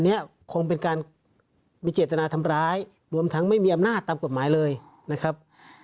เนี้ยคงเป็นการมีเจตนาทำร้ายรวมทั้งไม่มีอำนาจตามกฎหมายเลยนะครับ